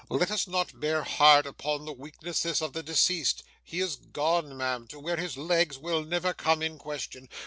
'Let us not bear hard upon the weaknesses of the deceased. He is gone, ma'am, to where his legs will never come in question.